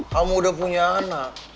kamu udah punya anak